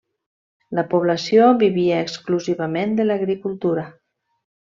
La població vivia exclusivament de l'agricultura.